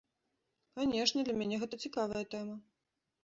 Канешне, для мяне гэта цікавая тэма.